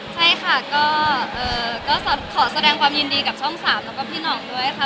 ใช่ค่ะก็ขอแสดงความยินดีกับช่อง๓แล้วก็พี่หน่องด้วยค่ะ